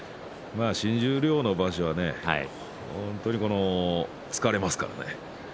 新十両の場所は本当に疲れますから。